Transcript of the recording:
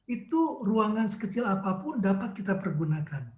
itu ruangan sekecil apapun dapat kita pergunakan